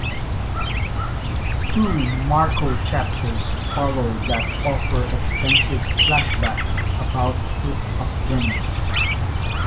Two "Marco" chapters follow that offer extensive flashbacks about his upbringing.